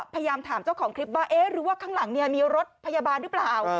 พยายามถามเจ้าของคลิปว่าเอ๊ะหรือว่าข้างหลังมีรถพยาบาลหรือเปล่า